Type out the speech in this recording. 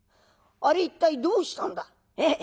あれ一体どうしたんだ？」。